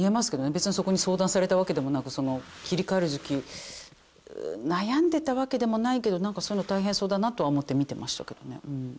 別にそこに相談されたわけでもなく切り替える時期悩んでたわけでもないけどそういうの大変そうだなとは思って見てましたけどね。